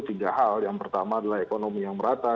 tiga hal yang pertama adalah ekonomi yang merata